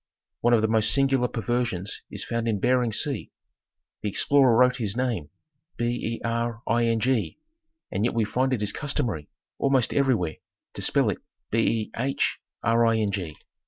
263 One of the most singular perversions is found in " Bering Sea ;" the explorer wrote his name "Bering," and yet we find it is customary, almost everywhere, to spell it " Behring."